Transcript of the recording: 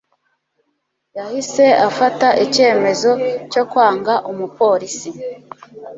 yahise afata icyemezo cyo kwanga umupolisi